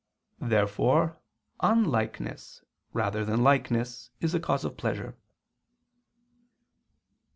Therefore unlikeness, rather than likeness, is a cause of pleasure.